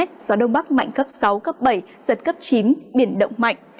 gió đông bắc mạnh cấp sáu cấp bảy giật cấp chín biển động mạnh